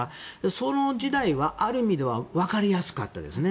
その時代は、ある意味ではわかりやすかったですね。